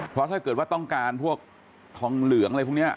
เพราะถ้าเกิดว่าต้องการพวกทองเหลืองอะไรพวกนี้